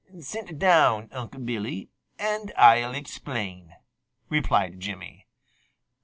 "Sit down, Unc' Billy, and I'll explain," replied Jimmy.